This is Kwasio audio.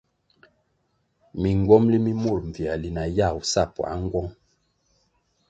Mingywomli mi mur mbvierli na yagu sa puáh nğuong.